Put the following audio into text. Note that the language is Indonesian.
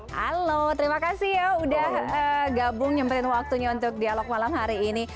halo terima kasih ya udah gabung nyemperin waktunya untuk dialog malam hari ini